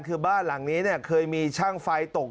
คือบ้านหลังนี้เนี่ยเคยมีช่างไฟตก